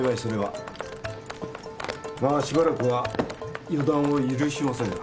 まあしばらくは予断を許しませんが。